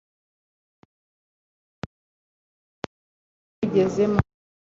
umwete, umwanya w'abami yawugezemo